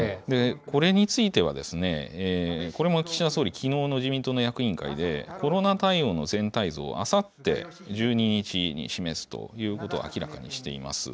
これについてはですね、これも岸田総理、きのうの自民党の役員会で、コロナ対応の全体像を、あさって１２日に示すということを明らかにしています。